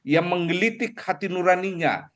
yang menggelitik hati nuraninya